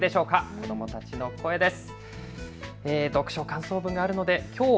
子どもたちの声です。